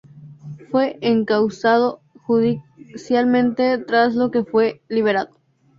Fue encausado judicialmente, tras lo que fue liberado.